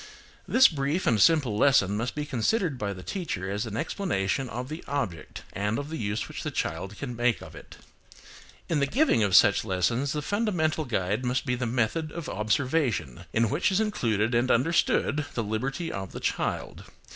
This brief and simple lesson must be considered by the teacher as an explanation of the object and of the use which the child can make of it. In the giving of such lessons the fundamental guide must be the method of observation, in which is included and understood the liberty of the child.